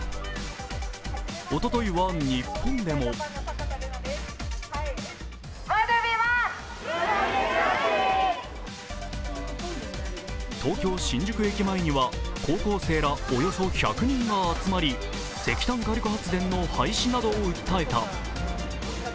おとといは、日本でも東京・新宿駅前には高校生らおよそ１００人が集まり石炭火力発電の廃止などを訴えた。